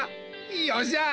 よっしゃ！